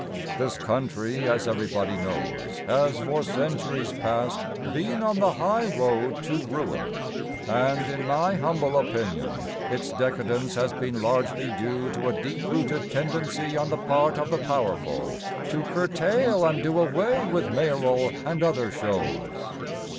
This country, as everybody knows, Has for centuries past been on the high road to ruin, And, in my humble opinion, its decadence has been largely due To a deep rooted tendency on the part of the powerful To curtail and do away with mayoral and other shows.